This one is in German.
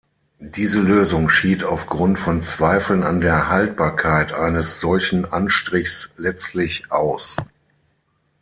Diese Lösung schied aufgrund von Zweifeln an der Haltbarkeit eines solchen Anstrichs letztlich aus.